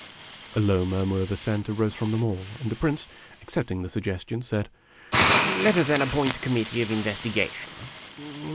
A low murmur of assent arose from them all ; and the Prince, accepting the suggestion, said: "Let us then appoint a committee of investigation.